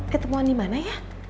ketemuan dimana ya